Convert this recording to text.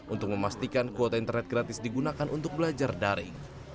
untuk memastikan kuota internet gratis digunakan untuk belajar daring